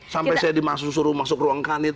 sampai saya dimaksud suruh masuk ruang kanit